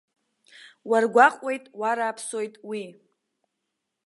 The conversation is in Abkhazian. Уаргәаҟуеит, уарааԥсоит уи.